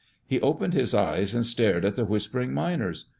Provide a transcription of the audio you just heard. He opened his eyes and stared at the whispering miners.